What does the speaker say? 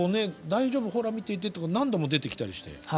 「大丈夫ほら見ていて」って何度も出てきたりして。